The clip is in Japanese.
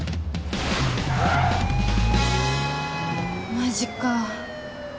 マジか。